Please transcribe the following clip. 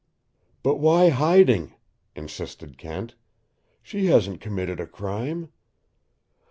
"But why HIDING?" insisted Kent. "She hasn't committed a crime."